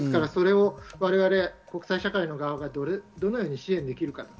それを我々、国際社会の側がどのように支援できるか。